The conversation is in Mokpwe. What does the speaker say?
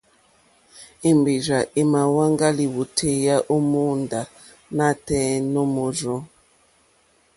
Èmbèrzà èmà wáŋgá lìwòtéyá ó mòóndá nǎtɛ̀ɛ̀ nǒ mòrzô.